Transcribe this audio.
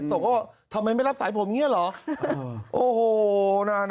บอกว่าทำไมไม่รับสายผมอย่างนี้เหรอ